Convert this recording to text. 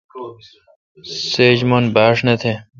سیچ من ۔بھاش نہ تہ۔